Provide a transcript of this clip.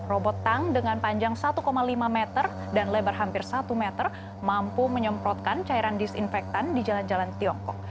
robot tank dengan panjang satu lima meter dan lebar hampir satu meter mampu menyemprotkan cairan disinfektan di jalan jalan tiongkok